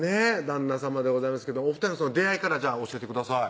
旦那さまでございますけどお２人の出会いから教えてください